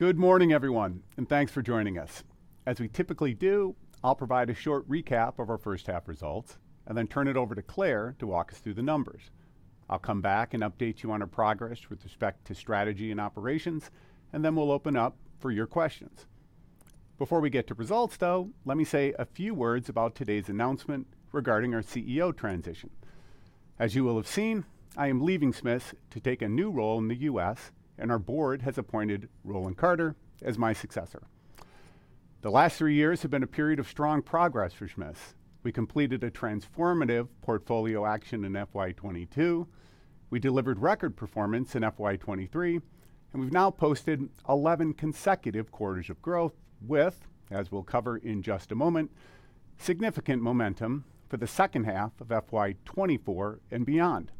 Good morning, everyone, and thanks for joining us. As we typically do, I'll provide a short recap of our first-half results and then turn it over to Clare to walk us through the numbers. I'll come back and update you on our progress with respect to strategy and operations, and then we'll open up for your questions. Before we get to results, though, let me say a few words about today's announcement regarding our CEO transition. As you will have seen, I am leaving Smiths to take a new role in the U.S., and our board has appointed Roland Carter as my successor. The last three years have been a period of strong progress for Smiths. We completed a transformative portfolio action in FY 2022, we delivered record performance in FY 2023, and we've now posted 11 consecutive quarters of growth with, as we'll cover in just a moment, significant momentum for the second half of FY 2024 and beyond.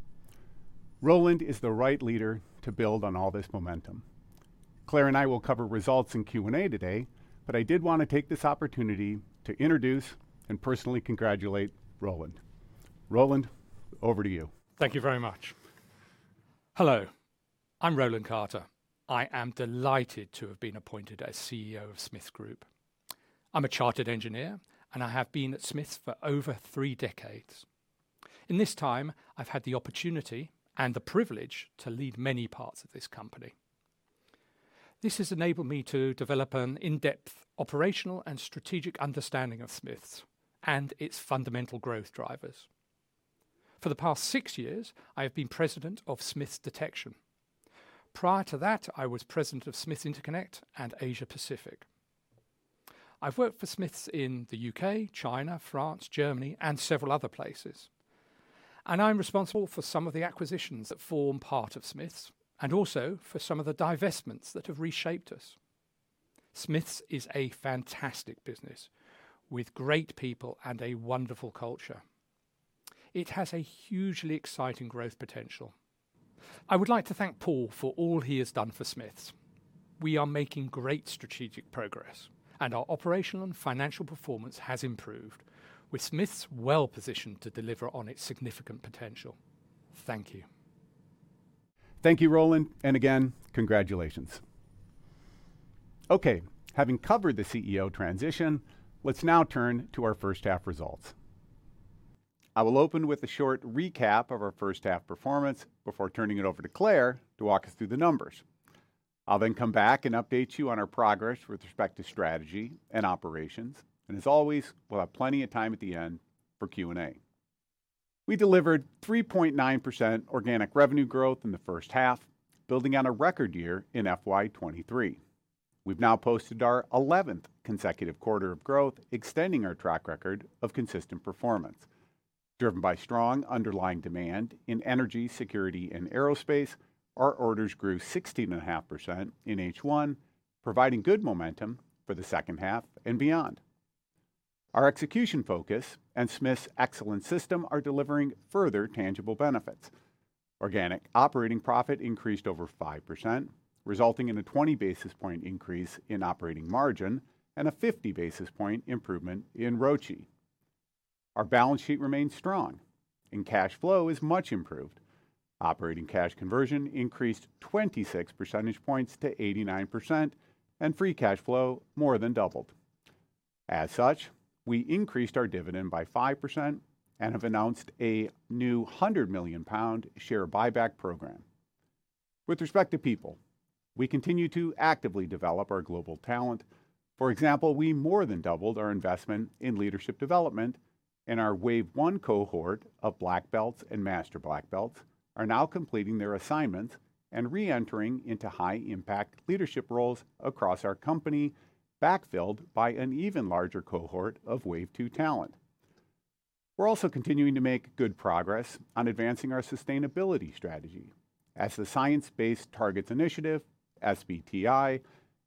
Roland is the right leader to build on all this momentum. Clare and I will cover results in Q&A today, but I did want to take this opportunity to introduce and personally congratulate Roland. Roland, over to you. Thank you very much. Hello. I'm Roland Carter. I am delighted to have been appointed as CEO of Smiths Group. I'm a chartered engineer, and I have been at Smiths for over three decades. In this time, I've had the opportunity and the privilege to lead many parts of this company. This has enabled me to develop an in-depth operational and strategic understanding of Smiths and its fundamental growth drivers. For the past six years, I have been president of Smiths Detection. Prior to that, I was president of Smiths Interconnect and Asia Pacific. I've worked for Smiths in the U.K., China, France, Germany, and several other places. I'm responsible for some of the acquisitions that form part of Smiths and also for some of the divestments that have reshaped us. Smiths is a fantastic business with great people and a wonderful culture. It has a hugely exciting growth potential. I would like to thank Paul for all he has done for Smiths. We are making great strategic progress, and our operational and financial performance has improved, with Smiths well positioned to deliver on its significant potential. Thank you. Thank you, Roland, and again, congratulations. Okay, having covered the CEO transition, let's now turn to our first-half results. I will open with a short recap of our first-half performance before turning it over to Clare to walk us through the numbers. I'll then come back and update you on our progress with respect to strategy and operations, and as always, we'll have plenty of time at the end for Q&A. We delivered 3.9% organic revenue growth in the first half, building on a record year in FY 2023. We've now posted our 11th consecutive quarter of growth, extending our track record of consistent performance. Driven by strong underlying demand in energy, security, and aerospace, our orders grew 16.5% in H1, providing good momentum for the second half and beyond. Our execution focus and Smiths Excellence System are delivering further tangible benefits. Organic operating profit increased over 5%, resulting in a 20 basis point increase in operating margin and a 50 basis point improvement in ROCE. Our balance sheet remains strong, and cash flow is much improved. Operating cash conversion increased 26 percentage points to 89%, and free cash flow more than doubled. As such, we increased our dividend by 5% and have announced a new 100 million pound share buyback program. With respect to people, we continue to actively develop our global talent. For example, we more than doubled our investment in leadership development, and our wave one cohort of black belts and master black belts are now completing their assignments and reentering into high impact leadership roles across our company, backfilled by an even larger cohort of wave two talent. We're also continuing to make good progress on advancing our sustainability strategy as the Science Based Targets initiative (SBTi)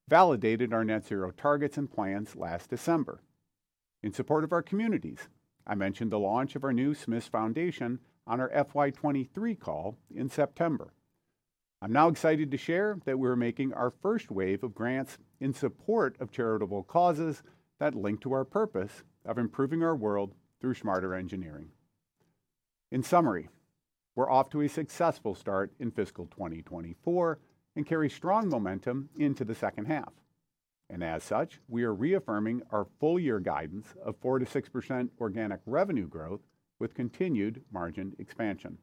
validated our net zero targets and plans last December. In support of our communities, I mentioned the launch of our new Smiths Foundation on our FY 2023 call in September. I'm now excited to share that we are making our first wave of grants in support of charitable causes that link to our purpose of improving our world through smarter engineering. In summary, we're off to a successful start in fiscal 2024 and carry strong momentum into the second half. And as such, we are reaffirming our full year guidance of 4%-6% organic revenue growth with continued margin expansion.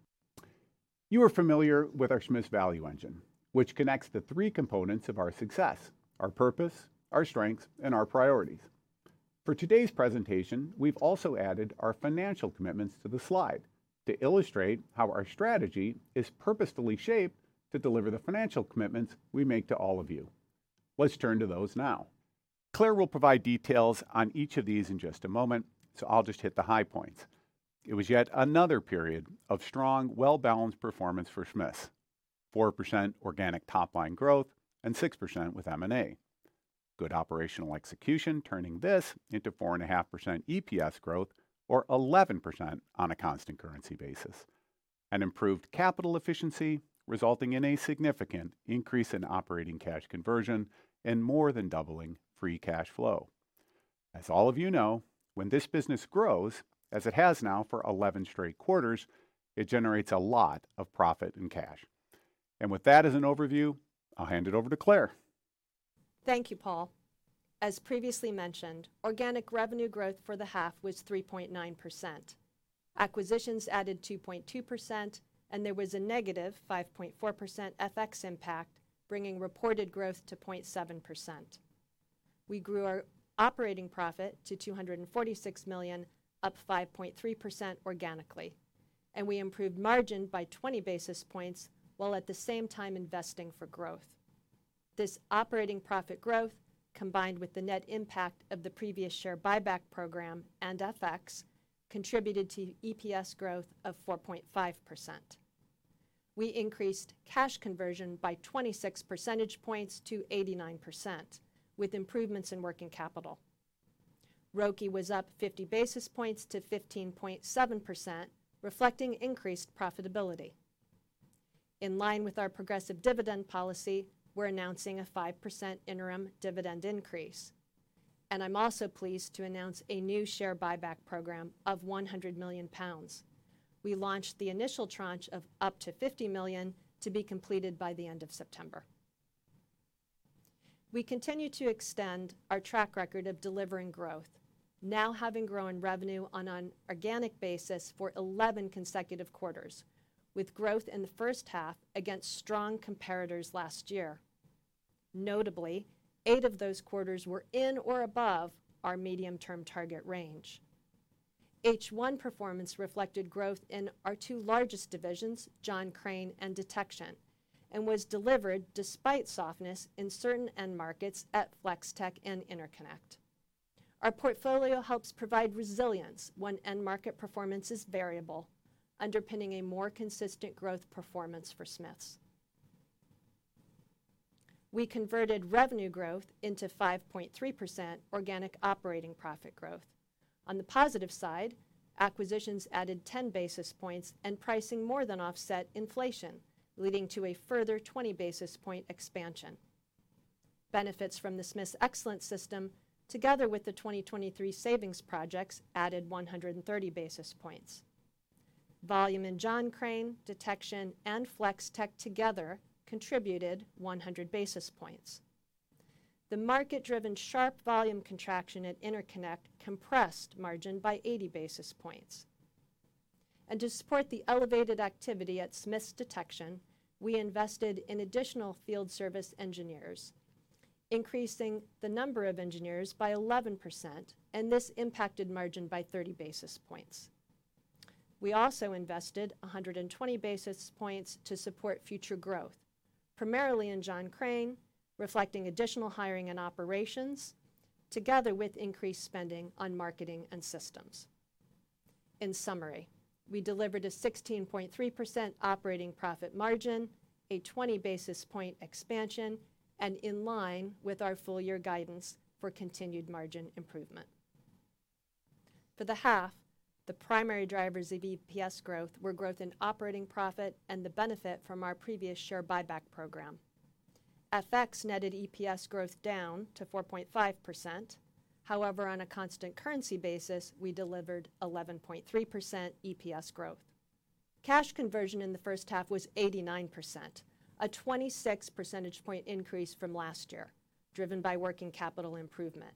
You are familiar with our Smiths Value Engine, which connects the three components of our success: our purpose, our strengths, and our priorities. For today's presentation, we've also added our financial commitments to the slide to illustrate how our strategy is purposefully shaped to deliver the financial commitments we make to all of you. Let's turn to those now. Clare will provide details on each of these in just a moment, so I'll just hit the high points. It was yet another period of strong, well-balanced performance for Smiths: 4% organic top-line growth and 6% with M&A. Good operational execution turning this into 4.5% EPS growth or 11% on a constant currency basis. Improved capital efficiency, resulting in a significant increase in operating cash conversion and more than doubling free cash flow. As all of you know, when this business grows, as it has now for 11 straight quarters, it generates a lot of profit and cash. With that as an overview, I'll hand it over to Clare. Thank you, Paul. As previously mentioned, organic revenue growth for the half was 3.9%. Acquisitions added 2.2%, and there was a negative 5.4% FX impact, bringing reported growth to 0.7%. We grew our operating profit to $246 million, up 5.3% organically, and we improved margin by 20 basis points while at the same time investing for growth. This operating profit growth, combined with the net impact of the previous share buyback program and FX, contributed to EPS growth of 4.5%. We increased cash conversion by 26 percentage points to 89%, with improvements in working capital. ROCE was up 50 basis points to 15.7%, reflecting increased profitability. In line with our progressive dividend policy, we're announcing a 5% interim dividend increase. And I'm also pleased to announce a new share buyback program of 100 million pounds. We launched the initial tranche of up to $50 million to be completed by the end of September. We continue to extend our track record of delivering growth, now having grown revenue on an organic basis for 11 consecutive quarters, with growth in the first half against strong comparators last year. Notably, eight of those quarters were in or above our medium-term target range. H1 performance reflected growth in our two largest divisions, John Crane and Detection, and was delivered despite softness in certain end markets at Flex-Tek and Interconnect. Our portfolio helps provide resilience when end market performance is variable, underpinning a more consistent growth performance for Smiths. We converted revenue growth into 5.3% organic operating profit growth. On the positive side, acquisitions added 10 basis points and pricing more than offset inflation, leading to a further 20 basis point expansion. Benefits from the Smiths Excellence System, together with the 2023 savings projects, added 130 basis points. Volume in John Crane, Smiths Detection, and Flex-Tek together contributed 100 basis points. The market-driven sharp volume contraction at Smiths Interconnect compressed margin by 80 basis points. To support the elevated activity at Smiths Detection, we invested in additional field service engineers, increasing the number of engineers by 11%, and this impacted margin by 30 basis points. We also invested 120 basis points to support future growth, primarily in John Crane, reflecting additional hiring and operations, together with increased spending on marketing and systems. In summary, we delivered a 16.3% operating profit margin, a 20 basis point expansion, and in line with our full year guidance for continued margin improvement. For the half, the primary drivers of EPS growth were growth in operating profit and the benefit from our previous share buyback program. FX netted EPS growth down to 4.5%. However, on a constant currency basis, we delivered 11.3% EPS growth. Cash conversion in the first half was 89%, a 26 percentage point increase from last year, driven by working capital improvement.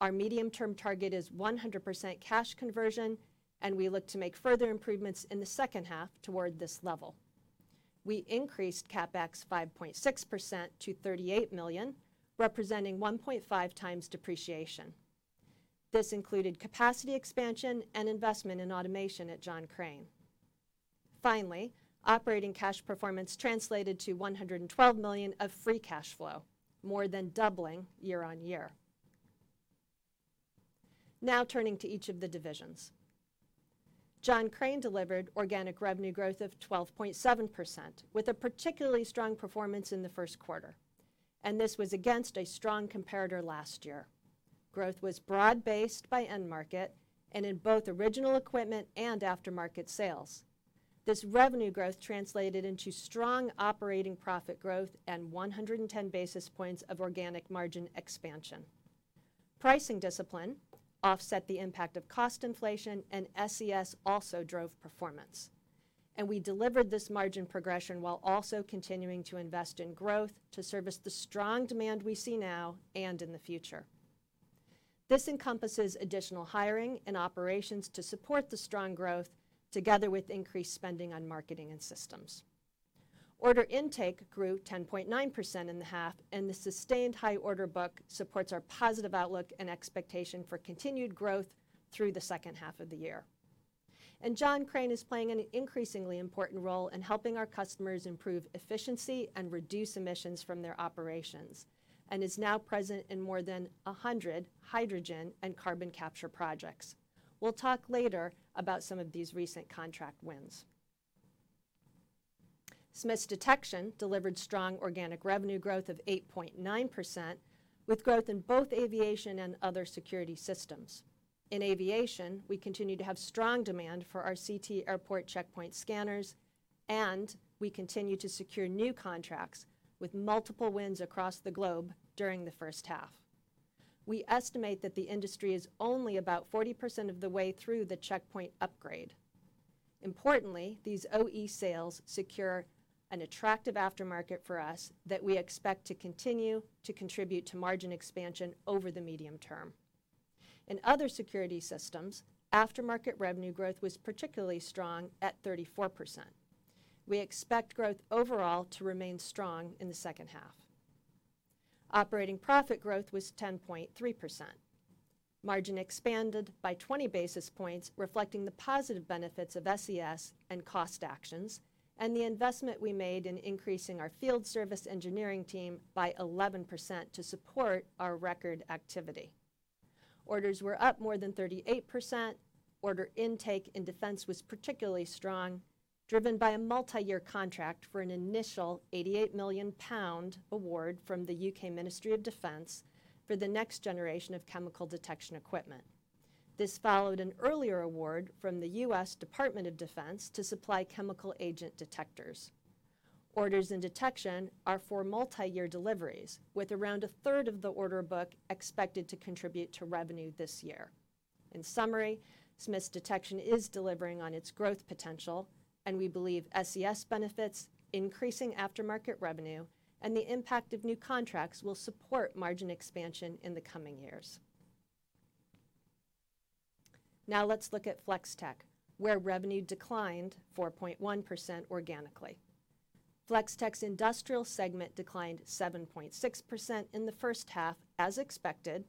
Our medium-term target is 100% cash conversion, and we look to make further improvements in the second half toward this level. We increased CapEx 5.6% to $38 million, representing 1.5x depreciation. This included capacity expansion and investment in automation at John Crane. Finally, operating cash performance translated to $112 million of free cash flow, more than doubling year-on-year. Now turning to each of the divisions. John Crane delivered organic revenue growth of 12.7% with a particularly strong performance in the first quarter. This was against a strong comparator last year. Growth was broad-based by end market and in both original equipment and aftermarket sales. This revenue growth translated into strong operating profit growth and 110 basis points of organic margin expansion. Pricing discipline offset the impact of cost inflation, and SES also drove performance. We delivered this margin progression while also continuing to invest in growth to service the strong demand we see now and in the future. This encompasses additional hiring and operations to support the strong growth, together with increased spending on marketing and systems. Order intake grew 10.9% in the half, and the sustained high order book supports our positive outlook and expectation for continued growth through the second half of the year. John Crane is playing an increasingly important role in helping our customers improve efficiency and reduce emissions from their operations and is now present in more than 100 hydrogen and carbon capture projects. We'll talk later about some of these recent contract wins. Smiths Detection delivered strong organic revenue growth of 8.9%, with growth in both aviation and other security systems. In aviation, we continue to have strong demand for our CT airport checkpoint scanners, and we continue to secure new contracts with multiple wins across the globe during the first half. We estimate that the industry is only about 40% of the way through the checkpoint upgrade. Importantly, these OE sales secure an attractive aftermarket for us that we expect to continue to contribute to margin expansion over the medium term. In other security systems, aftermarket revenue growth was particularly strong at 34%. We expect growth overall to remain strong in the second half. Operating profit growth was 10.3%. Margin expanded by 20 basis points, reflecting the positive benefits of SES and cost actions and the investment we made in increasing our field service engineering team by 11% to support our record activity. Orders were up more than 38%. Order intake in defense was particularly strong, driven by a multi-year contract for an initial 88 million pound award from the U.K. Ministry of Defence for the next generation of chemical detection equipment. This followed an earlier award from the U.S. Department of Defense to supply chemical agent detectors. Orders in detection are for multi-year deliveries, with around a third of the order book expected to contribute to revenue this year. In summary, Smiths Detection is delivering on its growth potential, and we believe SES benefits, increasing aftermarket revenue, and the impact of new contracts will support margin expansion in the coming years. Now let's look at Flex-Tek, where revenue declined 4.1% organically. Flex-Tek's industrial segment declined 7.6% in the first half, as expected,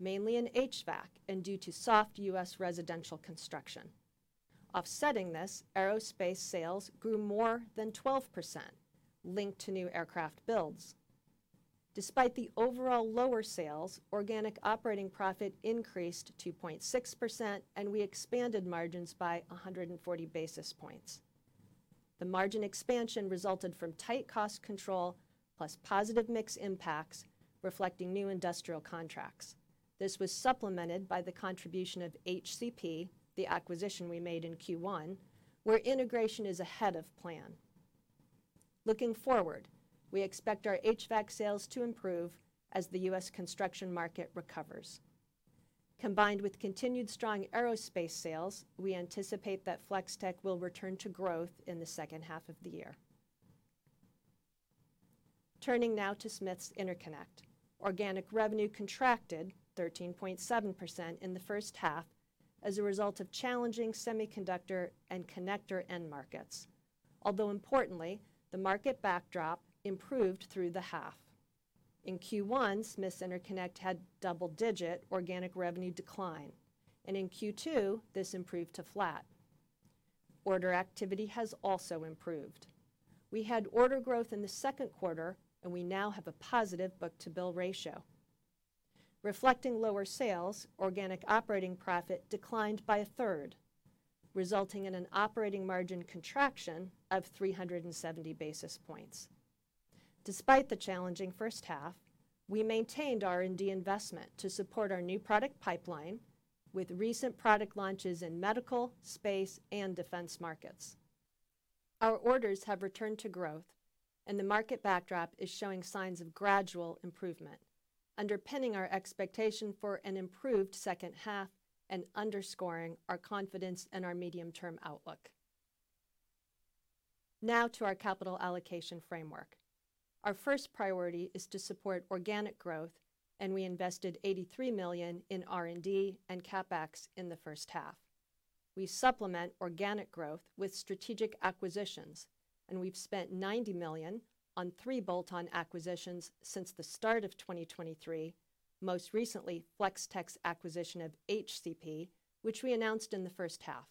mainly in HVAC and due to soft U.S. residential construction. Offsetting this, aerospace sales grew more than 12%, linked to new aircraft builds. Despite the overall lower sales, organic operating profit increased 2.6%, and we expanded margins by 140 basis points. The margin expansion resulted from tight cost control plus positive mix impacts, reflecting new industrial contracts. This was supplemented by the contribution of HCP, the acquisition we made in Q1, where integration is ahead of plan. Looking forward, we expect our HVAC sales to improve as the U.S. construction market recovers. Combined with continued strong aerospace sales, we anticipate that Flex-Tek will return to growth in the second half of the year. Turning now to Smiths Interconnect. Organic revenue contracted 13.7% in the first half as a result of challenging semiconductor and connector end markets. Although importantly, the market backdrop improved through the half. In Q1, Smiths Interconnect had double-digit organic revenue decline, and in Q2, this improved to flat. Order activity has also improved. We had order growth in the second quarter, and we now have a positive book-to-bill ratio. Reflecting lower sales, organic operating profit declined by a third, resulting in an operating margin contraction of 370 basis points. Despite the challenging first half, we maintained R&D investment to support our new product pipeline, with recent product launches in medical, space, and defense markets. Our orders have returned to growth, and the market backdrop is showing signs of gradual improvement, underpinning our expectation for an improved second half and underscoring our confidence in our medium-term outlook. Now to our capital allocation framework. Our first priority is to support organic growth, and we invested $83 million in R&D and CapEx in the first half. We supplement organic growth with strategic acquisitions, and we've spent $90 million on three bolt-on acquisitions since the start of 2023, most recently Flex-Tek's acquisition of HCP, which we announced in the first half.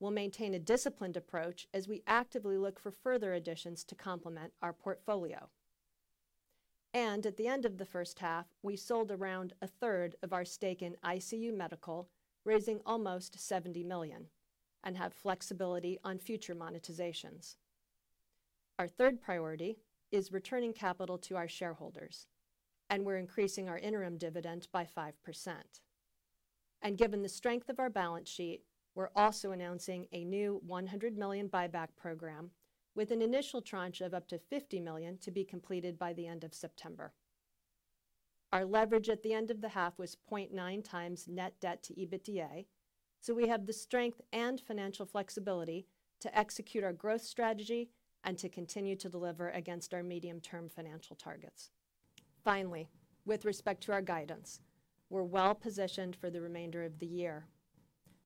We'll maintain a disciplined approach as we actively look for further additions to complement our portfolio. And at the end of the first half, we sold around a third of our stake in ICU Medical, raising almost $70 million, and have flexibility on future monetizations. Our third priority is returning capital to our shareholders, and we're increasing our interim dividend by 5%. Given the strength of our balance sheet, we're also announcing a new $100 million buyback program with an initial tranche of up to $50 million to be completed by the end of September. Our leverage at the end of the half was 0.9 times net debt to EBITDA, so we have the strength and financial flexibility to execute our growth strategy and to continue to deliver against our medium-term financial targets. Finally, with respect to our guidance, we're well positioned for the remainder of the year.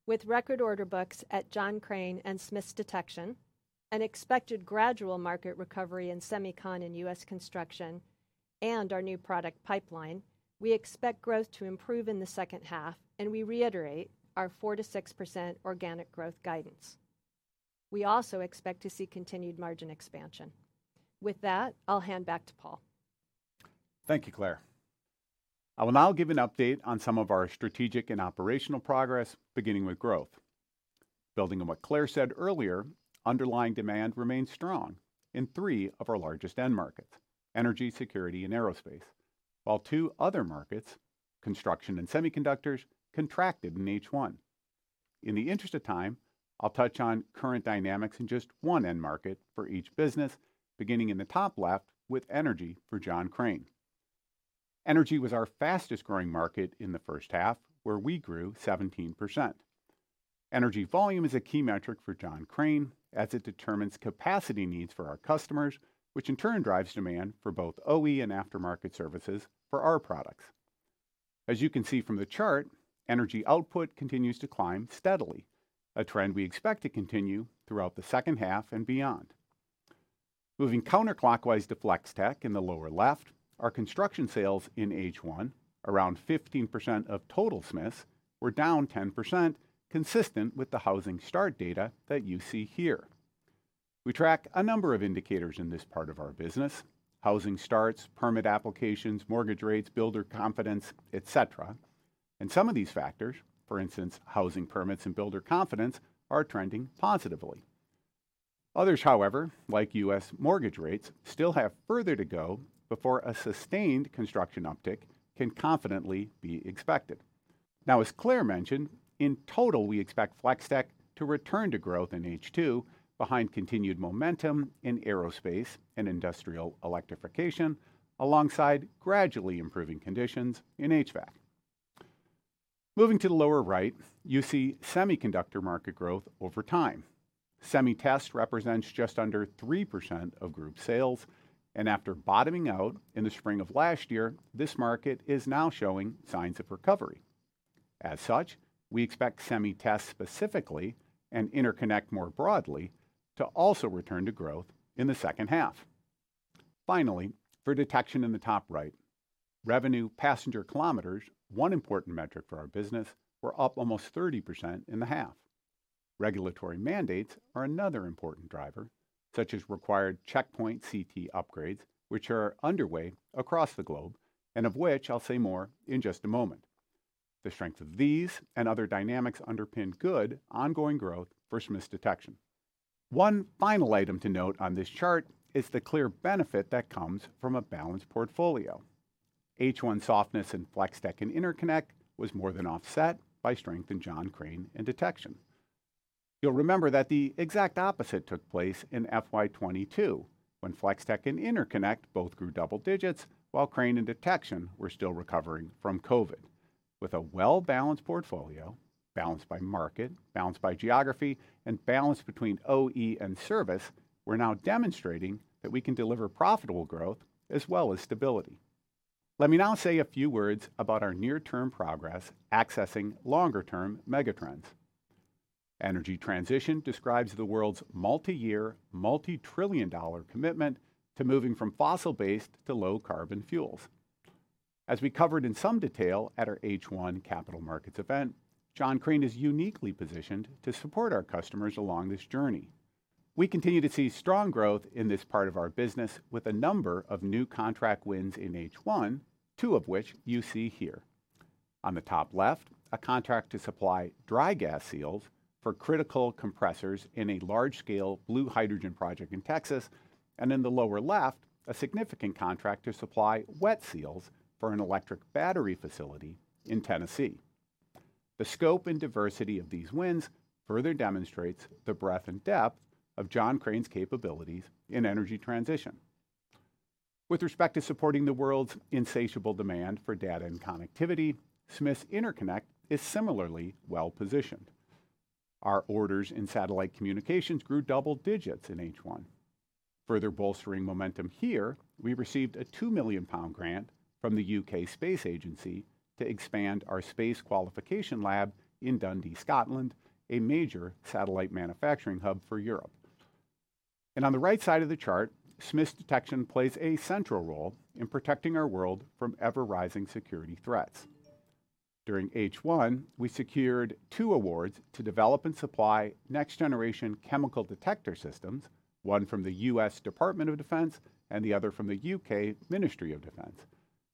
With record order books at John Crane and Smiths Detection and expected gradual market recovery in semicon and U.S. construction and our new product pipeline, we expect growth to improve in the second half, and we reiterate our 4%-6% organic growth guidance. We also expect to see continued margin expansion. With that, I'll hand back to Paul. Thank you, Clare. I will now give an update on some of our strategic and operational progress, beginning with growth. Building on what Clare said earlier, underlying demand remains strong in three of our largest end markets: energy, security, and aerospace, while two other markets, construction and semiconductors, contracted in H1. In the interest of time, I'll touch on current dynamics in just one end market for each business, beginning in the top left with energy for John Crane. Energy was our fastest growing market in the first half, where we grew 17%. Energy volume is a key metric for John Crane as it determines capacity needs for our customers, which in turn drives demand for both OE and aftermarket services for our products. As you can see from the chart, energy output continues to climb steadily, a trend we expect to continue throughout the second half and beyond. Moving counterclockwise to Flex-Tek in the lower left, our construction sales in H1, around 15% of total Smiths, were down 10%, consistent with the housing start data that you see here. We track a number of indicators in this part of our business: housing starts, permit applications, mortgage rates, builder confidence, etc. Some of these factors, for instance, housing permits and builder confidence, are trending positively. Others, however, like U.S. mortgage rates, still have further to go before a sustained construction uptick can confidently be expected. Now, as Clare mentioned, in total, we expect Flex-Tek to return to growth in H2 behind continued momentum in aerospace and industrial electrification, alongside gradually improving conditions in HVAC. Moving to the lower right, you see semiconductor market growth over time. Semi-Test represents just under 3% of group sales, and after bottoming out in the spring of last year, this market is now showing signs of recovery. As such, we expect Semi-Test specifically and Interconnect more broadly to also return to growth in the second half. Finally, for detection in the top right, revenue passenger kilometers, one important metric for our business, were up almost 30% in the half. Regulatory mandates are another important driver, such as required checkpoint CT upgrades, which are underway across the globe and of which I'll say more in just a moment. The strength of these and other dynamics underpin good ongoing growth for Smiths Detection. One final item to note on this chart is the clear benefit that comes from a balanced portfolio. H1 softness in Flex-Tek and Interconnect was more than offset by strength in John Crane and Detection. You'll remember that the exact opposite took place in FY 2022 when Flex-Tek and Interconnect both grew double digits while Crane and Detection were still recovering from COVID. With a well-balanced portfolio, balanced by market, balanced by geography, and balanced between OE and service, we're now demonstrating that we can deliver profitable growth as well as stability. Let me now say a few words about our near-term progress accessing longer-term megatrends. Energy transition describes the world's multi-year, multi-trillion-dollar commitment to moving from fossil-based to low-carbon fuels. As we covered in some detail at our H1 Capital Markets event, John Crane is uniquely positioned to support our customers along this journey. We continue to see strong growth in this part of our business with a number of new contract wins in H1, two of which you see here. On the top left, a contract to supply dry gas seals for critical compressors in a large-scale blue hydrogen project in Texas, and in the lower left, a significant contract to supply wet seals for an electric battery facility in Tennessee. The scope and diversity of these wins further demonstrates the breadth and depth of John Crane's capabilities in energy transition. With respect to supporting the world's insatiable demand for data and connectivity, Smiths Interconnect is similarly well positioned. Our orders in satellite communications grew double digits in H1. Further bolstering momentum here, we received a 2 million pound grant from the U.K. Space Agency to expand our space qualification lab in Dundee, Scotland, a major satellite manufacturing hub for Europe. On the right side of the chart, Smiths Detection plays a central role in protecting our world from ever-rising security threats. During H1, we secured two awards to develop and supply next-generation chemical detector systems, one from the U.S. Department of Defense and the other from the U.K. Ministry of Defence.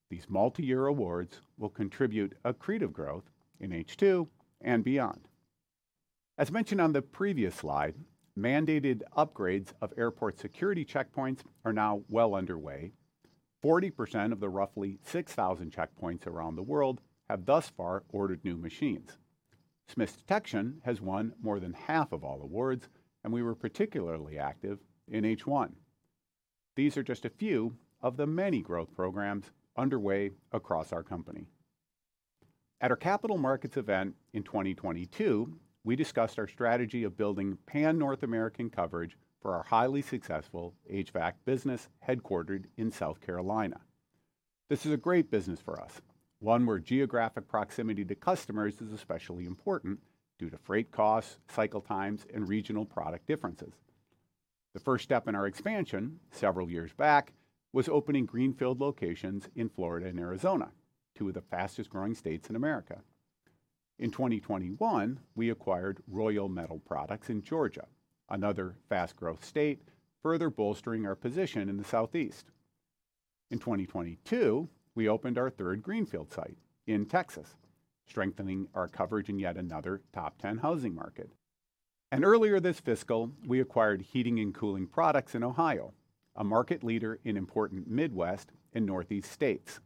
These multi-year awards will contribute accretive growth in H2 and beyond. As mentioned on the previous slide, mandated upgrades of airport security checkpoints are now well underway. 40% of the roughly 6,000 checkpoints around the world have thus far ordered new machines. Smiths Detection has won more than half of all awards, and we were particularly active in H1. These are just a few of the many growth programs underway across our company. At our Capital Markets event in 2022, we discussed our strategy of building pan-North American coverage for our highly successful HVAC business headquartered in South Carolina. This is a great business for us, one where geographic proximity to customers is especially important due to freight costs, cycle times, and regional product differences. The first step in our expansion several years back was opening greenfield locations in Florida and Arizona, two of the fastest-growing states in America. In 2021, we acquired Royal Metal Products in Georgia, another fast-growth state, further bolstering our position in the Southeast. In 2022, we opened our third greenfield site in Texas, strengthening our coverage in yet another top 10 housing market. Earlier this fiscal, we acquired Heating and Cooling Products in Ohio, a market leader in important Midwest and Northeast states.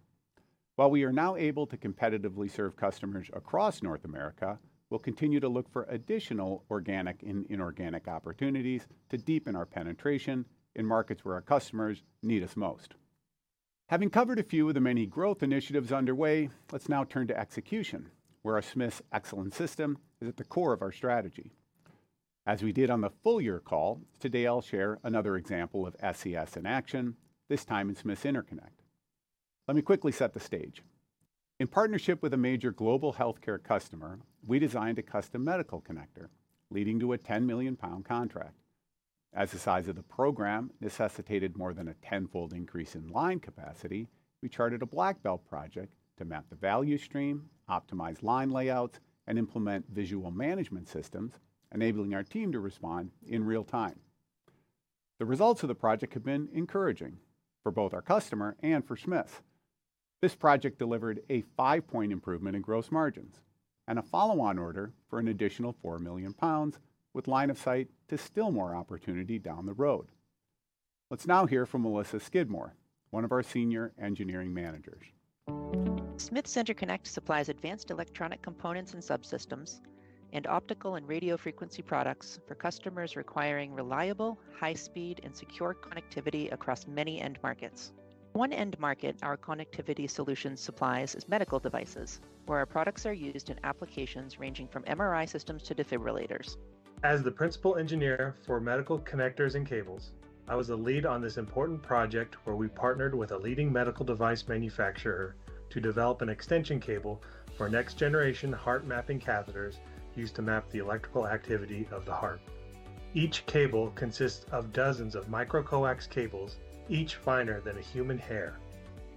While we are now able to competitively serve customers across North America, we'll continue to look for additional organic and inorganic opportunities to deepen our penetration in markets where our customers need us most. Having covered a few of the many growth initiatives underway, let's now turn to execution, where our Smiths Excellence System is at the core of our strategy. As we did on the full-year call, today I'll share another example of SES in action, this time in Smiths Interconnect. Let me quickly set the stage. In partnership with a major global healthcare customer, we designed a custom medical connector, leading to a 10 million pound contract. As the size of the program necessitated more than a tenfold increase in line capacity, we charted a black belt project to map the value stream, optimize line layouts, and implement visual management systems, enabling our team to respond in real time. The results of the project have been encouraging for both our customer and for Smiths. This project delivered a five point improvement in gross margins and a follow-on order for an additional 4 million pounds with line of sight to still more opportunity down the road. Let's now hear from Melissa Skidmore, one of our senior engineering managers. Smiths Interconnect supplies advanced electronic components and subsystems and optical and radio frequency products for customers requiring reliable, high-speed, and secure connectivity across many end markets. One end market our connectivity solutions supplies is medical devices, where our products are used in applications ranging from MRI systems to defibrillators. As the principal engineer for medical connectors and cables, I was the lead on this important project where we partnered with a leading medical device manufacturer to develop an extension cable for next-generation heart mapping catheters used to map the electrical activity of the heart. Each cable consists of dozens of Micro-Coax cables, each finer than a human hair.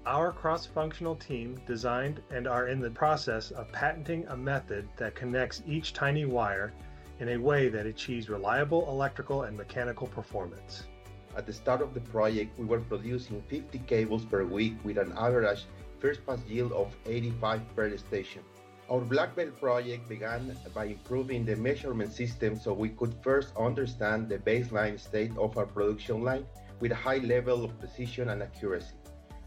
Our cross-functional team designed and are in the process of patenting a method that connects each tiny wire in a way that achieves reliable electrical and mechanical performance. At the start of the project, we were producing 50 cables per week with an average first-pass yield of 85% per station. Our black belt project began by improving the measurement system so we could first understand the baseline state of our production line with a high level of precision and accuracy.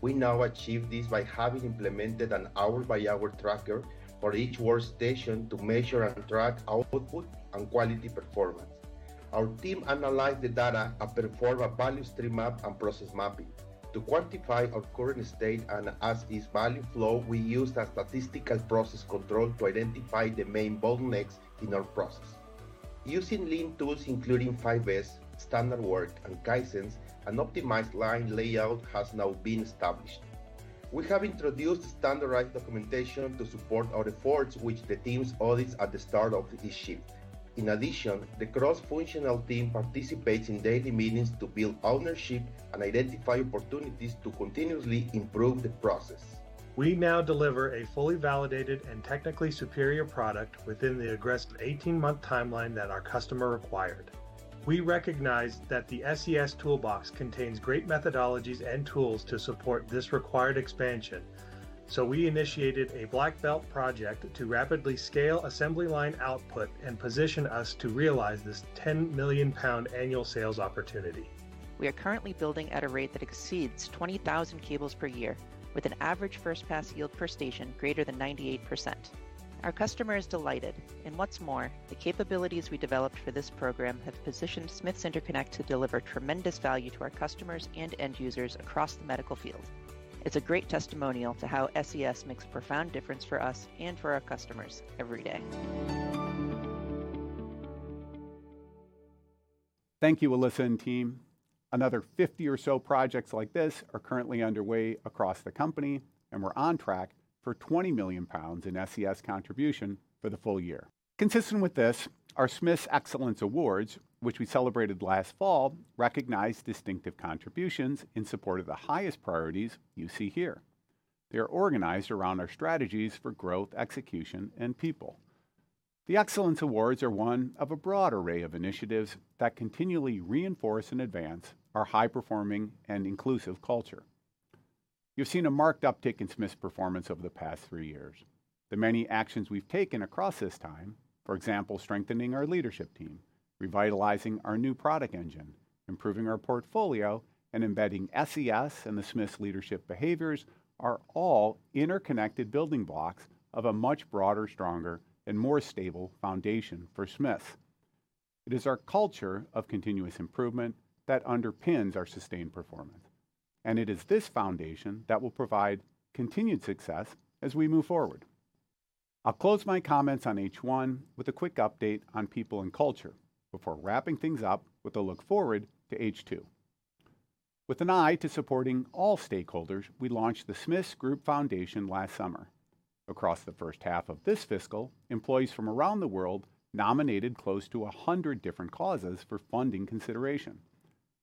We now achieve this by having implemented an hour-by-hour tracker for each workstation to measure and track output and quality performance. Our team analyzed the data and performed a value stream map and process mapping. To quantify our current state and as-is value flow, we used a statistical process control to identify the main bottlenecks in our process. Using lean tools including 5S, Standard Work, and Kaizens, an optimized line layout has now been established. We have introduced standardized documentation to support our efforts, which the team audits at the start of each shift. In addition, the cross-functional team participates in daily meetings to build ownership and identify opportunities to continuously improve the process. We now deliver a fully validated and technically superior product within the aggressive 18-month timeline that our customer required. We recognize that the SES toolbox contains great methodologies and tools to support this required expansion, so we initiated a black belt project to rapidly scale assembly line output and position us to realize this 10 million pound annual sales opportunity. We are currently building at a rate that exceeds 20,000 cables per year, with an average first-pass yield per station greater than 98%. Our customer is delighted, and what's more, the capabilities we developed for this program have positioned Smiths Interconnect to deliver tremendous value to our customers and end users across the medical field. It's a great testimonial to how SES makes a profound difference for us and for our customers every day. Thank you, Melissa and team. Another 50 or so projects like this are currently underway across the company, and we're on track for 20 million pounds in SES contribution for the full year. Consistent with this, our Smiths Excellence Awards, which we celebrated last fall, recognize distinctive contributions in support of the highest priorities you see here. They are organized around our strategies for growth, execution, and people. The Excellence Awards are one of a broad array of initiatives that continually reinforce and advance our high-performing and inclusive culture. You've seen a marked uptick in Smiths performance over the past three years. The many actions we've taken across this time, for example, strengthening our leadership team, revitalizing our new product engine, improving our portfolio, and embedding SES and the Smiths leadership behaviors, are all interconnected building blocks of a much broader, stronger, and more stable foundation for Smiths. It is our culture of continuous improvement that underpins our sustained performance, and it is this foundation that will provide continued success as we move forward. I'll close my comments on H1 with a quick update on people and culture before wrapping things up with a look forward to H2. With an eye to supporting all stakeholders, we launched the Smiths Group Foundation last summer. Across the first half of this fiscal, employees from around the world nominated close to 100 different causes for funding consideration,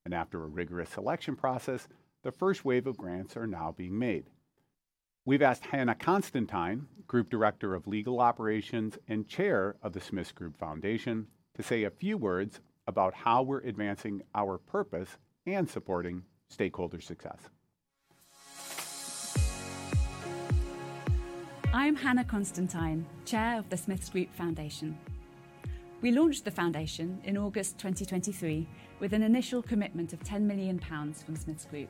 and after a rigorous selection process, the first wave of grants are now being made. We've asked Hannah Constantine, Group Director of Legal Operations and Chair of the Smiths Group Foundation, to say a few words about how we're advancing our purpose and supporting stakeholder success. I'm Hannah Constantine, Chair of the Smiths Group Foundation. We launched the foundation in August 2023 with an initial commitment of 10 million pounds from Smiths Group.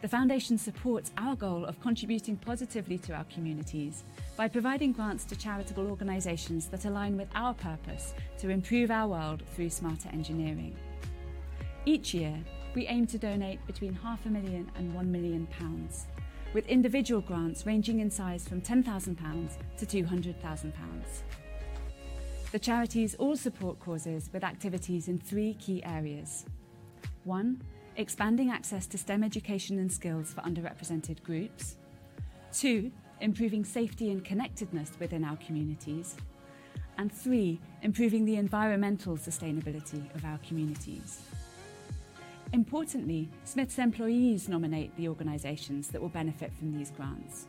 The foundation supports our goal of contributing positively to our communities by providing grants to charitable organizations that align with our purpose to improve our world through smarter engineering. Each year, we aim to donate between 500,000 and 1 million pounds, with individual grants ranging in size from 10,000 pounds to 200,000 pounds. The charities all support causes with activities in three key areas: one, expanding access to STEM education and skills for underrepresented groups; two, improving safety and connectedness within our communities; and three, improving the environmental sustainability of our communities. Importantly, Smiths employees nominate the organizations that will benefit from these grants,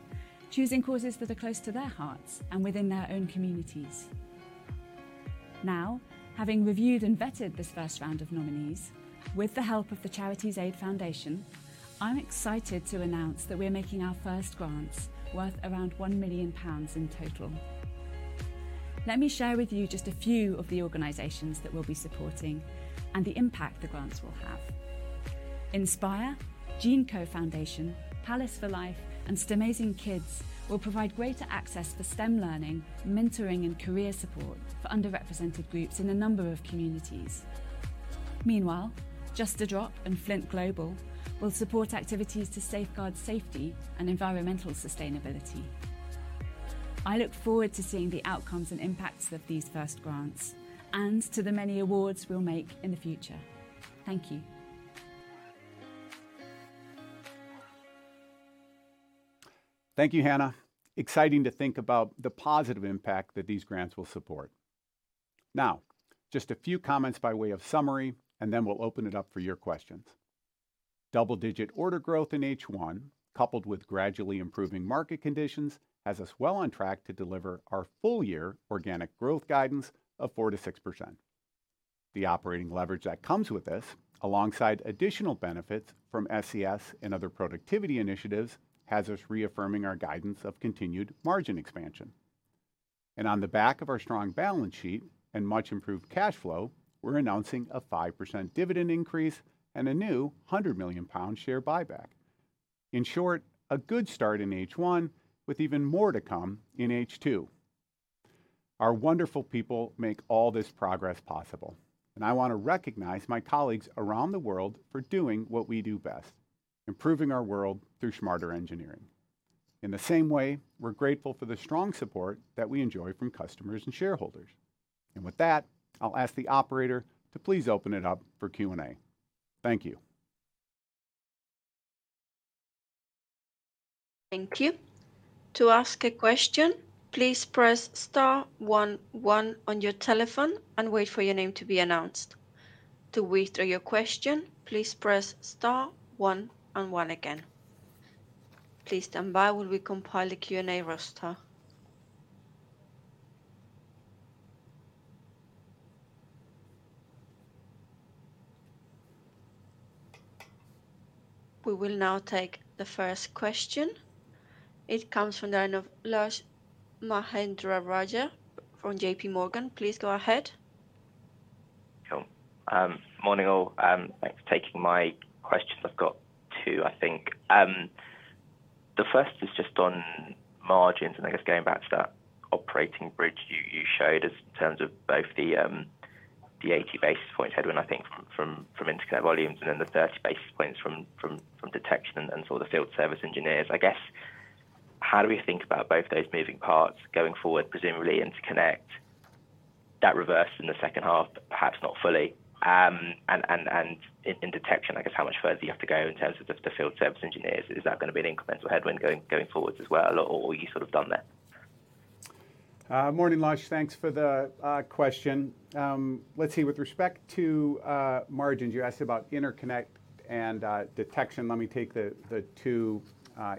choosing causes that are close to their hearts and within their own communities. Now, having reviewed and vetted this first round of nominees, with the help of the Charities Aid Foundation, I'm excited to announce that we're making our first grants worth around 1 million pounds in total. Let me share with you just a few of the organizations that we'll be supporting and the impact the grants will have. Inspire, GEANCO Foundation, Palace for Life, and STEMAZingKids will provide greater access for STEM learning, mentoring, and career support for underrepresented groups in a number of communities. Meanwhile, Just a Drop and Flint Global will support activities to safeguard safety and environmental sustainability. I look forward to seeing the outcomes and impacts of these first grants and to the many awards we'll make in the future. Thank you. Thank you, Hannah. Exciting to think about the positive impact that these grants will support. Now, just a few comments by way of summary, and then we'll open it up for your questions. Double-digit order growth in H1, coupled with gradually improving market conditions, has us well on track to deliver our full-year organic growth guidance of 4%-6%. The operating leverage that comes with this, alongside additional benefits from SES and other productivity initiatives, has us reaffirming our guidance of continued margin expansion. And on the back of our strong balance sheet and much-improved cash flow, we're announcing a 5% dividend increase and a new 100 million pound share buyback. In short, a good start in H1 with even more to come in H2. Our wonderful people make all this progress possible, and I want to recognize my colleagues around the world for doing what we do best: improving our world through smarter engineering. In the same way, we're grateful for the strong support that we enjoy from customers and shareholders. With that, I'll ask the operator to please open it up for Q&A. Thank you. Thank you. To ask a question, please press star one one on your telephone and wait for your name to be announced. To withdraw your question, please press star one and one again. Please stand by while we compile the Q&A roster. We will now take the first question. It comes from the name of Lush Mahendrarajah from J.P. Morgan. Please go ahead. Hello. Morning all. Thanks for taking my questions. I've got two, I think. The first is just on margins, and I guess going back to that operating bridge you showed in terms of both the 80 basis points headwind, I think, from Interconnect volumes, and then the 30 basis points from detection and sort of the field service engineers. I guess how do we think about both those moving parts going forward, presumably Interconnect? That reversed in the second half, perhaps not fully. And in detection, I guess how much further do you have to go in terms of the field service engineers? Is that going to be an incremental headwind going forward as well, or what have you sort of done there? Morning, Lush. Thanks for the question. Let's see. With respect to margins, you asked about Interconnect and detection. Let me take the two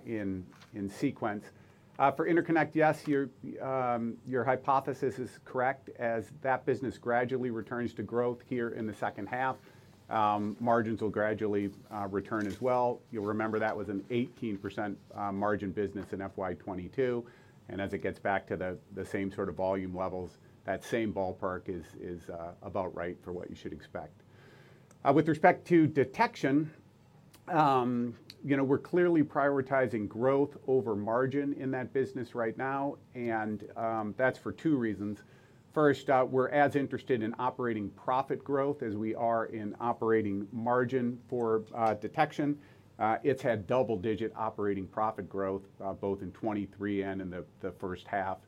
in sequence. For Interconnect, yes, your hypothesis is correct. As that business gradually returns to growth here in the second half, margins will gradually return as well. You'll remember that was an 18% margin business in FY 2022. As it gets back to the same sort of volume levels, that same ballpark is about right for what you should expect. With respect to detection, we're clearly prioritizing growth over margin in that business right now, and that's for two reasons. First, we're as interested in operating profit growth as we are in operating margin for detection. It's had double-digit operating profit growth both in 2023 and in the first half.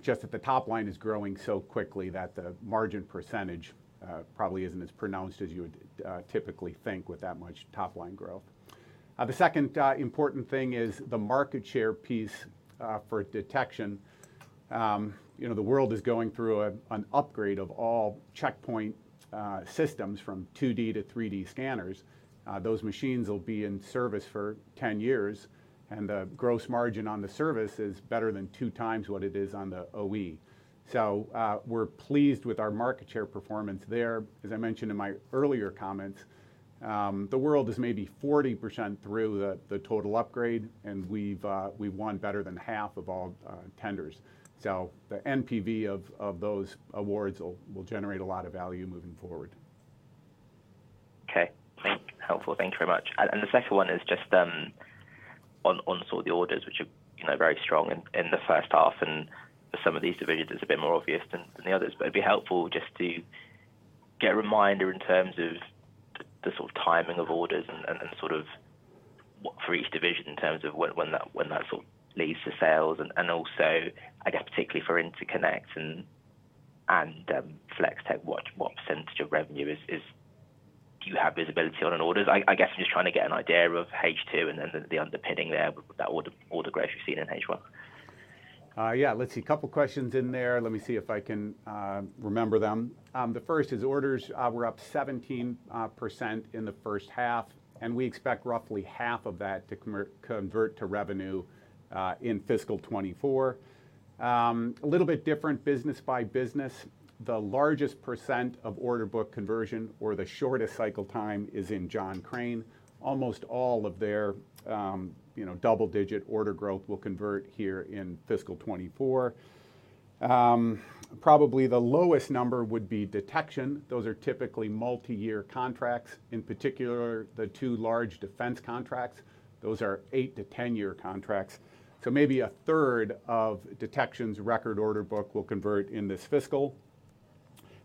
Just that the top line is growing so quickly that the margin percentage probably isn't as pronounced as you would typically think with that much top line growth. The second important thing is the market share piece for detection. The world is going through an upgrade of all checkpoint systems from 2D to 3D scanners. Those machines will be in service for 10 years, and the gross margin on the service is better than two times what it is on the OE. So we're pleased with our market share performance there. As I mentioned in my earlier comments, the world is maybe 40% through the total upgrade, and we've won better than half of all tenders. So the NPV of those awards will generate a lot of value moving forward. Okay. Helpful. Thank you very much. And the second one is just on sort of the orders, which are very strong in the first half, and for some of these divisions, it's a bit more obvious than the others. But it'd be helpful just to get a reminder in terms of the sort of timing of orders and sort of for each division in terms of when that sort of leads to sales. And also, I guess, particularly for Interconnect and Flex-Tek, what percentage of revenue do you have visibility on in orders? I guess I'm just trying to get an idea of H2 and then the underpinning there with that order growth you've seen in H1. Yeah. Let's see. A couple of questions in there. Let me see if I can remember them. The first is orders. We're up 17% in the first half, and we expect roughly half of that to convert to revenue in fiscal 2024. A little bit different business by business. The largest percent of order book conversion or the shortest cycle time is in John Crane. Almost all of their double-digit order growth will convert here in fiscal 2024. Probably the lowest number would be detection. Those are typically multi-year contracts. In particular, the two large defense contracts, those are eight-10-year contracts. So maybe a third of detection's record order book will convert in this fiscal.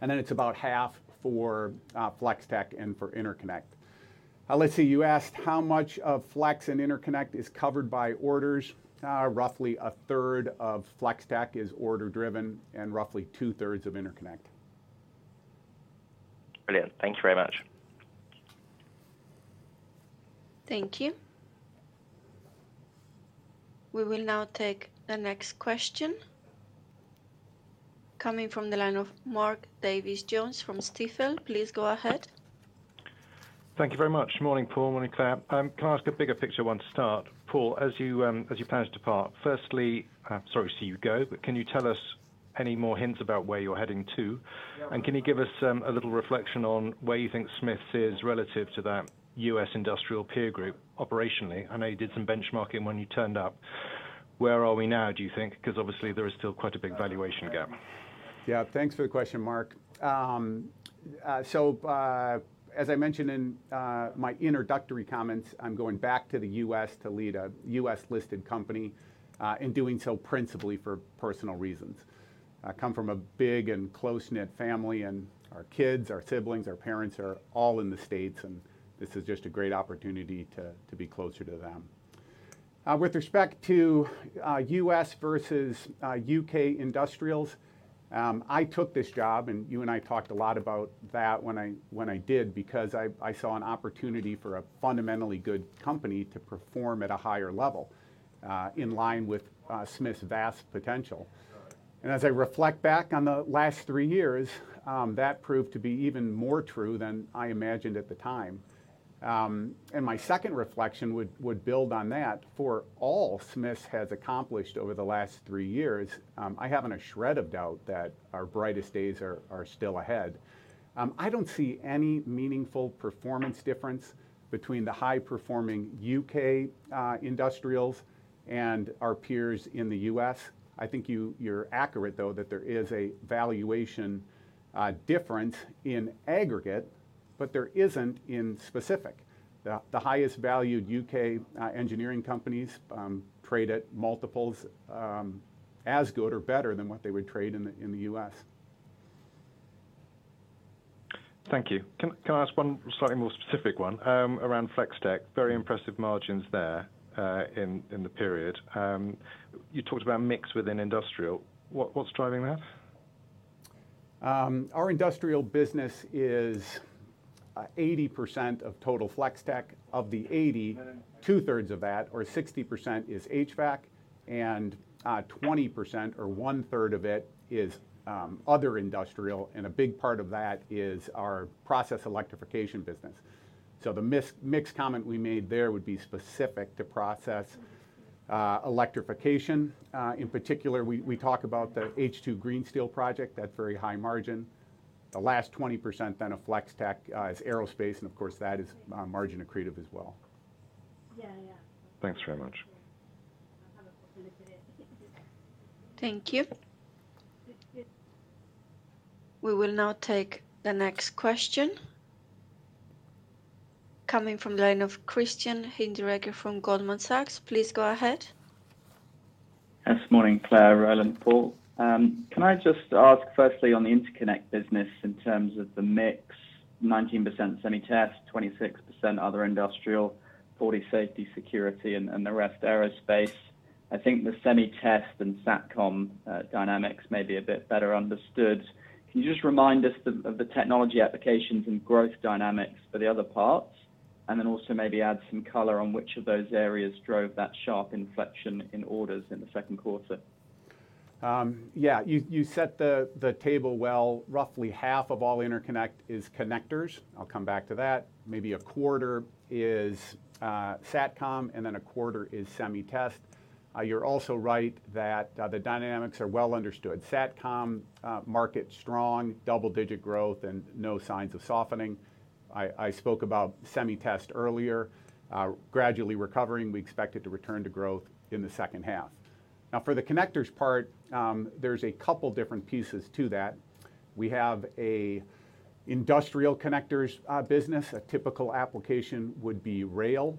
And then it's about half for Flex-Tek and for Interconnect. Let's see. You asked how much of Flex-Tek and Interconnect is covered by orders. Roughly a third of Flex-Tek is order-driven and roughly two-thirds of Interconnect. Brilliant. Thank you very much. Thank you. We will now take the next question. Coming from the line of Mark Davies Jones from Stifel, please go ahead. Thank you very much. Morning, Paul, morning, Clare. Can I ask a bigger picture one to start? Paul, as you plan to depart, firstly sorry, see you go, but can you tell us any more hints about where you're heading to? And can you give us a little reflection on where you think Smiths is relative to that U.S. industrial peer group operationally? I know you did some benchmarking when you turned up. Where are we now, do you think? Because obviously, there is still quite a big valuation gap. Yeah. Thanks for the question, Mark. So as I mentioned in my introductory comments, I'm going back to the U.S. to lead a U.S.-listed company and doing so principally for personal reasons. I come from a big and close-knit family, and our kids, our siblings, our parents are all in the States, and this is just a great opportunity to be closer to them. With respect to U.S. versus U.K. industrials, I took this job, and you and I talked a lot about that when I did because I saw an opportunity for a fundamentally good company to perform at a higher level in line with Smiths' vast potential. And as I reflect back on the last three years, that proved to be even more true than I imagined at the time. And my second reflection would build on that. For all Smiths has accomplished over the last three years, I haven't a shred of doubt that our brightest days are still ahead. I don't see any meaningful performance difference between the high-performing U.K. industrials and our peers in the U.S. I think you're accurate, though, that there is a valuation difference in aggregate, but there isn't in specific. The highest-valued U.K. engineering companies trade at multiples as good or better than what they would trade in the U.S. Thank you. Can I ask one slightly more specific one around Flex-Tek? Very impressive margins there in the period. You talked about mix within industrial. What's driving that? Our industrial business is 80% of total Flex-Tek. Of the 80, two-thirds of that, or 60%, is HVAC, and 20% or one-third of it is other industrial, and a big part of that is our process electrification business. So the mixed comment we made there would be specific to process electrification. In particular, we talk about the H2 Green Steel project. That's very high margin. The last 20% then of Flex-Tek is aerospace, and of course, that is margin accretive as well. Thanks very much. Thank you. We will now take the next question. Coming from the line of Christian Hinderaker from Goldman Sachs, please go ahead. Yes. Morning, Clare, Roland, Paul. Can I just ask firstly on the Interconnect business in terms of the mix: 19% semi-test, 26% other industrial, 40% safety, security, and the rest aerospace? I think the semi-test and satcom dynamics may be a bit better understood. Can you just remind us of the technology applications and growth dynamics for the other parts, and then also maybe add some color on which of those areas drove that sharp inflection in orders in the second quarter? Yeah. You set the table well. Roughly half of all Interconnect is connectors. I'll come back to that. Maybe a quarter is Satcom, and then a quarter is Semi-Test. You're also right that the dynamics are well understood. Satcom market strong, double-digit growth, and no signs of softening. I spoke about Semi-Test earlier. Gradually recovering, we expect it to return to growth in the second half. Now, for the connectors part, there's a couple of different pieces to that. We have an industrial connectors business. A typical application would be rail.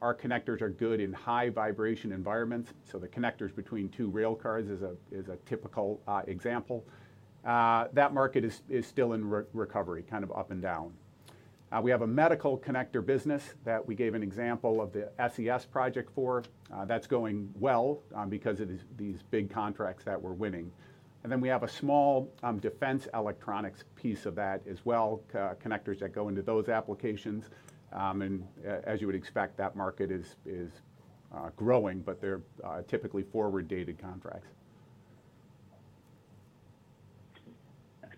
Our connectors are good in high-vibration environments. So the connectors between two rail cars is a typical example. That market is still in recovery, kind of up and down. We have a medical connector business that we gave an example of the SES project for. That's going well because of these big contracts that we're winning. And then we have a small defense electronics piece of that as well, connectors that go into those applications. And as you would expect, that market is growing, but they're typically forward-dated contracts. Thanks,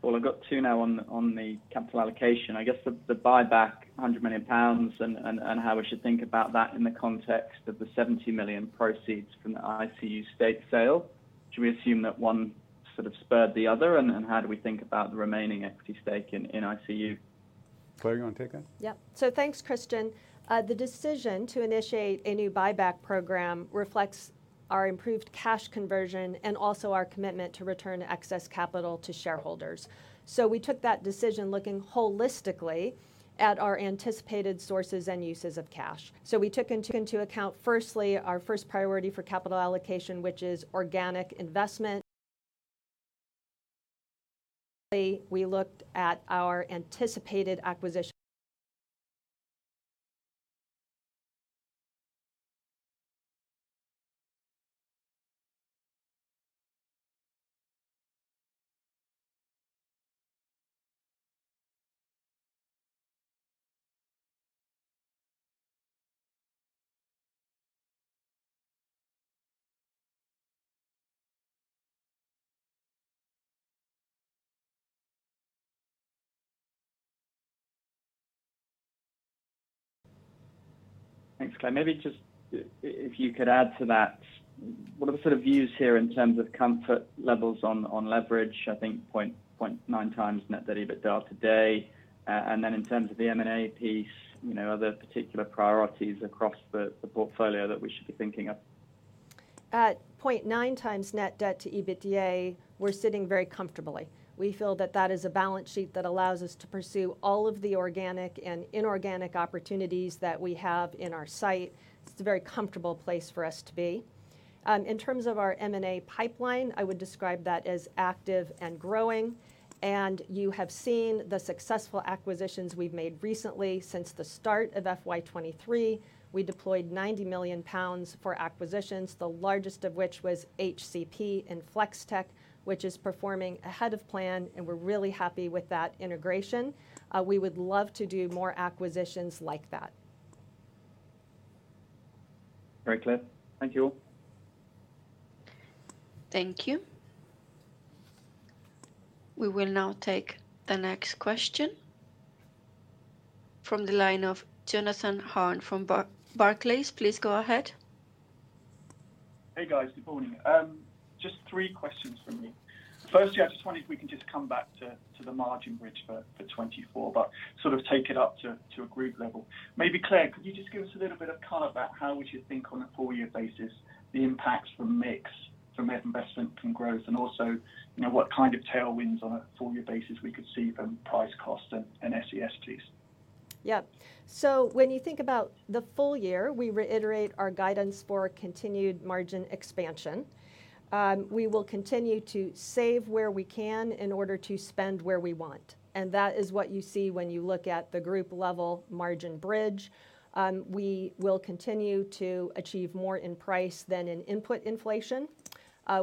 Paul. I've got two now on the capital allocation. I guess the buyback, 100 million pounds, and how we should think about that in the context of the 70 million proceeds from the ICU stake sale. Should we assume that one sort of spurred the other, and how do we think about the remaining equity stake in ICU? Clare, you want to take that? Yeah. So thanks, Christian. The decision to initiate a new buyback program reflects our improved cash conversion and also our commitment to return excess capital to shareholders. So we took that decision looking holistically at our anticipated sources and uses of cash. So we took into account, firstly, our first priority for capital allocation, which is organic investment. Secondly, we looked at our anticipated acquisition. Thanks, Clare. Maybe just if you could add to that, what are the sort of views here in terms of comfort levels on leverage? I think 0.9x net debt EBITDA today. And then in terms of the M&A piece, are there particular priorities across the portfolio that we should be thinking of? At 0.9 times net debt to EBITDA, we're sitting very comfortably. We feel that that is a balance sheet that allows us to pursue all of the organic and inorganic opportunities that we have in our site. It's a very comfortable place for us to be. In terms of our M&A pipeline, I would describe that as active and growing. You have seen the successful acquisitions we've made recently since the start of FY 2023. We deployed 90 million pounds for acquisitions, the largest of which was HCP in Flex-Tek, which is performing ahead of plan, and we're really happy with that integration. We would love to do more acquisitions like that. Great, Clare. Thank you all. Thank you. We will now take the next question from the line of Jonathan Hurn from Barclays. Please go ahead. Hey, guys. Good morning. Just three questions from me. Firstly, I just wondered if we can just come back to the margin bridge for 2024 but sort of take it up to a group level. Maybe, Clare, could you just give us a little bit of color about how would you think on a four-year basis the impacts from mix from investment from growth and also what kind of tailwinds on a four-year basis we could see from price, cost, and SES piece? Yeah. So when you think about the full year, we reiterate our guidance for continued margin expansion. We will continue to save where we can in order to spend where we want. And that is what you see when you look at the group-level margin bridge. We will continue to achieve more in price than in input inflation.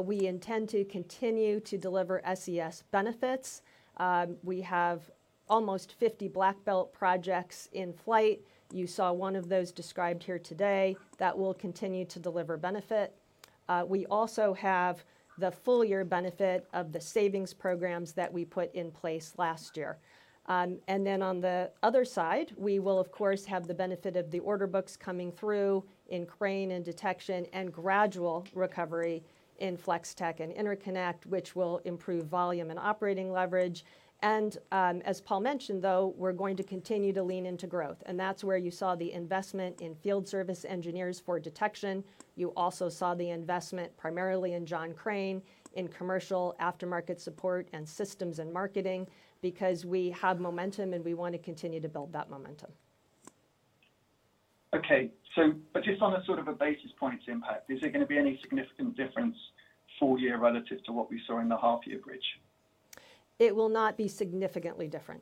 We intend to continue to deliver SES benefits. We have almost 50 black belt projects in flight. You saw one of those described here today. That will continue to deliver benefit. We also have the full-year benefit of the savings programs that we put in place last year. And then on the other side, we will, of course, have the benefit of the order books coming through in Crane and detection and gradual recovery in Flex-Tek and Interconnect, which will improve volume and operating leverage. As Paul mentioned, though, we're going to continue to lean into growth. That's where you saw the investment in field service engineers for detection. You also saw the investment primarily in John Crane, in commercial aftermarket support, and systems and marketing because we have momentum, and we want to continue to build that momentum. Okay. But just on a sort of a basis point to impact, is there going to be any significant difference full year relative to what we saw in the half-year bridge? It will not be significantly different.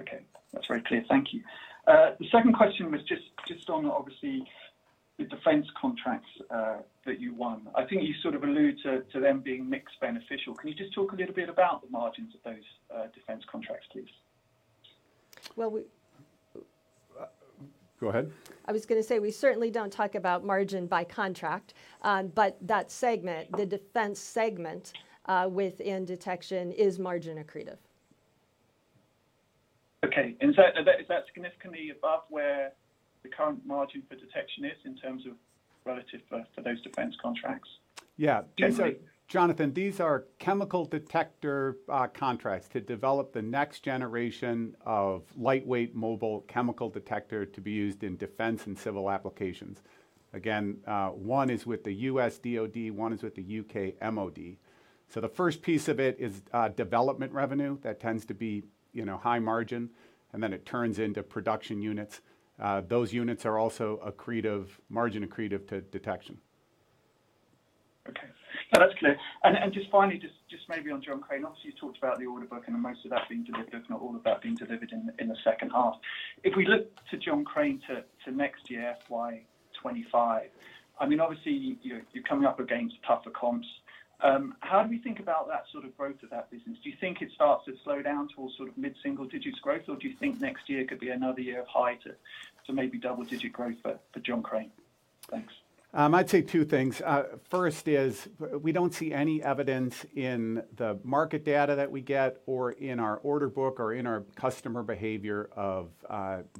Okay. That's very clear. Thank you. The second question was just on, obviously, the defense contracts that you won. I think you sort of alluded to them being mixed beneficial. Can you just talk a little bit about the margins of those defense contracts, please? Well, we. Go ahead. I was going to say we certainly don't talk about margin by contract. But that segment, the defense segment within detection, is margin accretive. Okay. And is that significantly above where the current margin for detection is in terms of relative for those defense contracts? Yeah. Jonathan, these are chemical detector contracts to develop the next generation of lightweight mobile chemical detector to be used in defense and civil applications. Again, one is with the U.S. DoD, one is with the U.K. MoD. So the first piece of it is development revenue. That tends to be high margin, and then it turns into production units. Those units are also margin accretive to detection. Okay. Yeah. That's clear. Just finally, just maybe on John Crane, obviously, you talked about the order book and most of that being delivered, if not all of that, being delivered in the second half. If we look to John Crane to next year, FY 2025, I mean, obviously, you're coming up against tougher comps. How do we think about that sort of growth of that business? Do you think it starts to slow down towards sort of mid-single-digits growth, or do you think next year could be another year of high to maybe double-digit growth for John Crane? Thanks. I'd say two things. First is we don't see any evidence in the market data that we get or in our order book or in our customer behavior of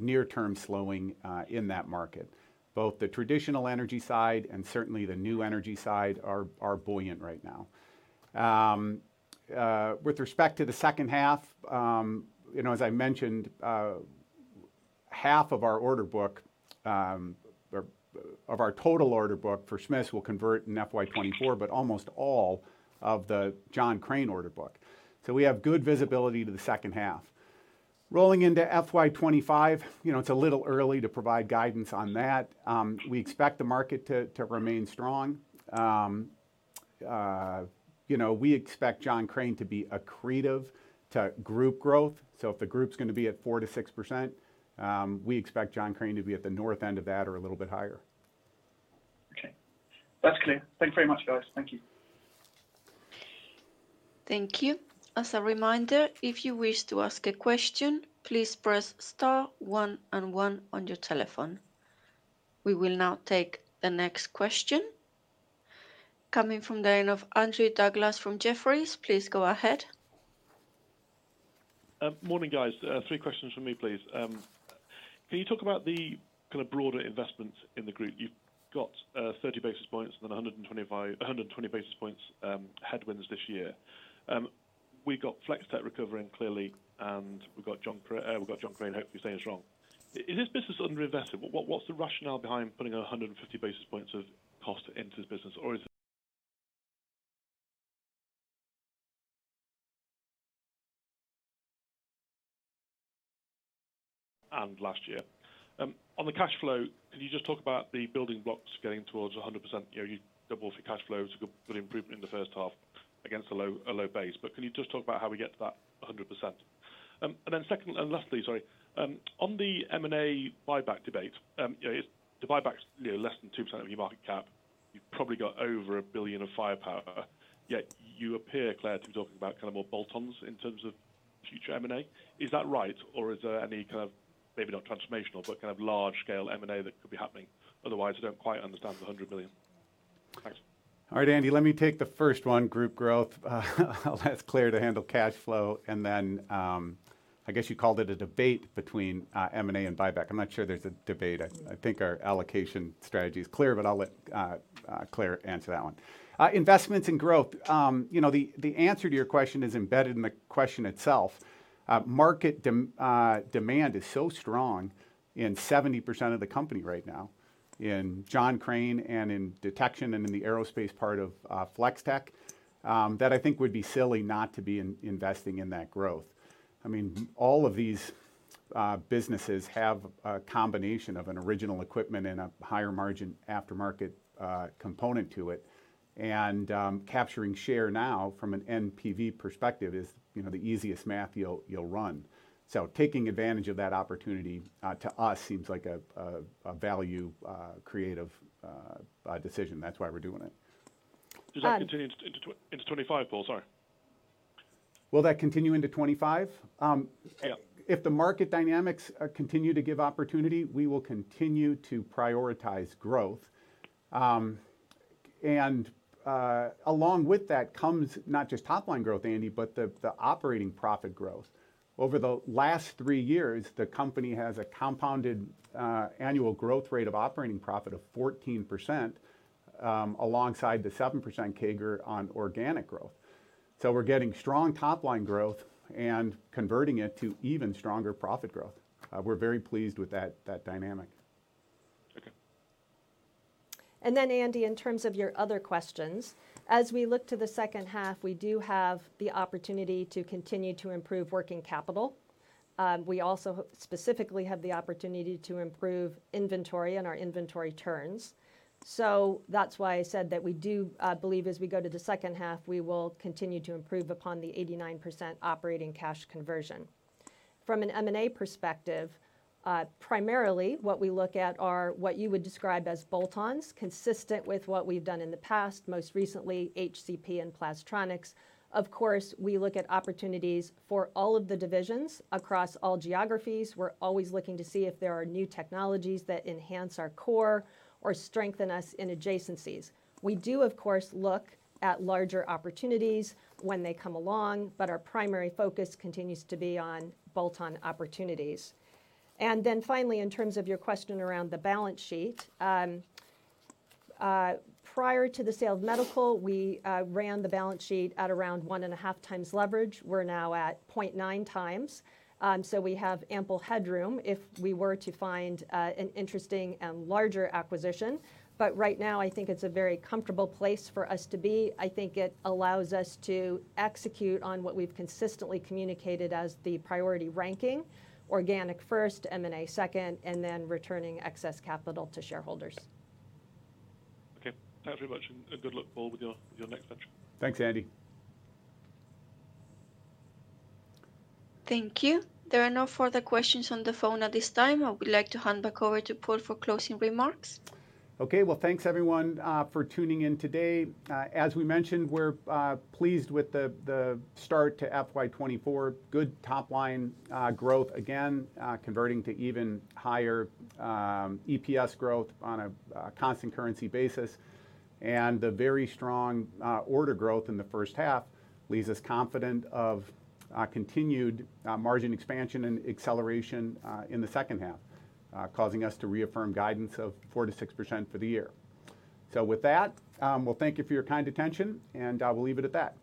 near-term slowing in that market. Both the traditional energy side and certainly the new energy side are buoyant right now. With respect to the second half, as I mentioned, half of our total order book for Smiths will convert in FY 2024 but almost all of the John Crane order book. So we have good visibility to the second half. Rolling into FY 2025, it's a little early to provide guidance on that. We expect the market to remain strong. We expect John Crane to be accretive to group growth. So if the group's going to be at 4%-6%, we expect John Crane to be at the north end of that or a little bit higher. Okay. That's clear. Thanks very much, guys. Thank you. Thank you. As a reminder, if you wish to ask a question, please press star one and one on your telephone. We will now take the next question. Coming from the line of Andrew Douglas from Jefferies, please go ahead. Morning, guys. three questions from me, please. Can you talk about the kind of broader investments in the group? You've got 30 basis points and then 120 basis points headwinds this year. We've got Flex-Tek recovering clearly, and we've got John Crane hopefully staying strong. Is this business underinvested? What's the rationale behind putting 150 basis points of cost into this business, or is it? And last year. On the cash flow, could you just talk about the building blocks getting towards 100%? You double off your cash flow. It's a good improvement in the first half against a low base. But can you just talk about how we get to that 100%? And then second and lastly, sorry, on the M&A buyback debate, the buyback's less than 2% of your market cap. You've probably got over 1 billion of firepower. Yet you appear, Clare, to be talking about kind of more bolt-ons in terms of future M&A. Is that right, or is there any kind of maybe not transformational but kind of large-scale M&A that could be happening? Otherwise, I don't quite understand the 100 million. Thanks. All right, Andy. Let me take the first one, group growth. I'll ask Clare to handle cash flow. Then I guess you called it a debate between M&A and buyback. I'm not sure there's a debate. I think our allocation strategy is clear, but I'll let Clare answer that one. Investments and growth, the answer to your question is embedded in the question itself. Market demand is so strong in 70% of the company right now, in John Crane and in detection and in the aerospace part of Flex-Tek, that I think would be silly not to be investing in that growth. I mean, all of these businesses have a combination of an original equipment and a higher-margin aftermarket component to it. And capturing share now from an NPV perspective is the easiest math you'll run. So taking advantage of that opportunity, to us, seems like a value-creative decision. That's why we're doing it. Does that continue into 2025, Paul? Sorry. Will that continue into 2025? If the market dynamics continue to give opportunity, we will continue to prioritize growth. And along with that comes not just top-line growth, Andy, but the operating profit growth. Over the last three years, the company has a compounded annual growth rate of operating profit of 14% alongside the 7% CAGR on organic growth. So we're getting strong top-line growth and converting it to even stronger profit growth. We're very pleased with that dynamic. Okay. Then, Andy, in terms of your other questions, as we look to the second half, we do have the opportunity to continue to improve working capital. We also specifically have the opportunity to improve inventory and our inventory turns. So that's why I said that we do believe as we go to the second half, we will continue to improve upon the 89% operating cash conversion. From an M&A perspective, primarily, what we look at are what you would describe as bolt-ons, consistent with what we've done in the past, most recently, HCP and Plastronics. Of course, we look at opportunities for all of the divisions across all geographies. We're always looking to see if there are new technologies that enhance our core or strengthen us in adjacencies. We do, of course, look at larger opportunities when they come along, but our primary focus continues to be on bolt-on opportunities. And then finally, in terms of your question around the balance sheet, prior to the sale of medical, we ran the balance sheet at around 1.5 times leverage. We're now at 0.9 times. So we have ample headroom if we were to find an interesting and larger acquisition. But right now, I think it's a very comfortable place for us to be. I think it allows us to execute on what we've consistently communicated as the priority ranking: organic first, M&A second, and then returning excess capital to shareholders. Okay. Thanks very much. Good luck, Paul, with your next venture. Thanks, Andy. Thank you. There are no further questions on the phone at this time. I would like to hand back over to Paul for closing remarks. Okay. Well, thanks, everyone, for tuning in today. As we mentioned, we're pleased with the start to FY 2024. Good top-line growth again, converting to even higher EPS growth on a constant currency basis. The very strong order growth in the first half leaves us confident of continued margin expansion and acceleration in the second half, causing us to reaffirm guidance of 4%-6% for the year. With that, we'll thank you for your kind attention, and we'll leave it at that.